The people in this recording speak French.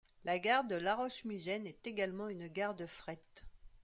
La gare de Laroche-Migennes est également une gare de fret.